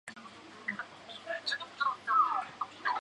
加尔旺是葡萄牙贝雅区的一个堂区。